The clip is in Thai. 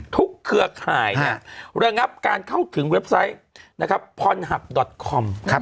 ทุกเครือข่ายเนี่ยเริ่มงับการเข้าถึงเว็บไซต์นะครับพรหับคอม